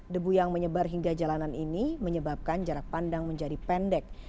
debu yang menyebar hingga jalanan ini menyebabkan jarak pandang menjadi pendek